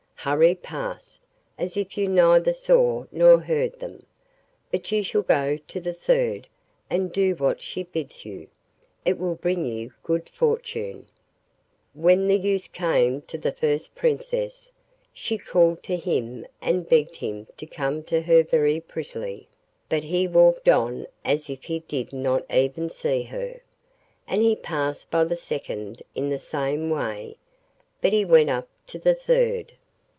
Hurry past, as if you neither saw nor heard them; but you shall go to the third and do what she bids you; it will bring you good fortune.' When the youth came to the first princess, she called to him and begged him to come to her very prettily, but he walked on as if he did not even see her, and he passed by the second in the same way, but he went up to the third.